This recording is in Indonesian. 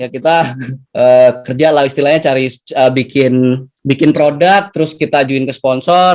kita kerja lah istilahnya cari bikin produk terus kita ajuin ke sponsor